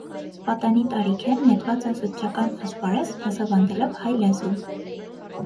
Պատանի տարիքէն նետուած է ուսուցչական ասպարէզ, դասաւանդելով հայ լեզու։